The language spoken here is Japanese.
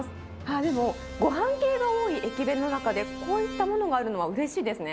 でもごはん系が多い駅弁の中で、こういったものがあるのはうれしいですね。